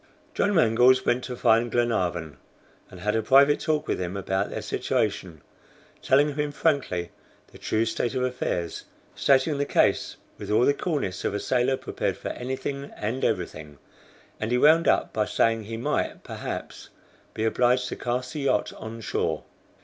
John Mangles went to find Glenarvan, and had a private talk with him about their situation, telling him frankly the true state of affairs, stating the case with all the coolness of a sailor prepared for anything and everything and he wound up by saying he might, perhaps, be obliged to cast the yacht on shore.